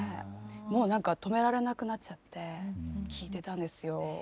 もう何か止められなくなっちゃって聴いてたんですよ。